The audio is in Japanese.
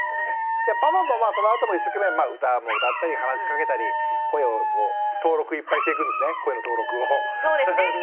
じゃあパパママはそのあとも一生懸命歌も歌ったり話しかけたり声を登録いっぱいしていくんですね。